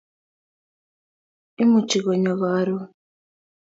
imuchi konyo karon